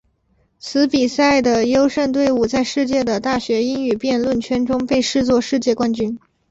此比赛的优胜队伍在世界的大学英语辩论圈中被视作世界冠军。